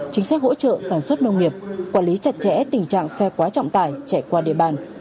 chính sách hỗ trợ sản xuất nông nghiệp quản lý chặt chẽ tình trạng xe quá trọng tải chạy qua địa bàn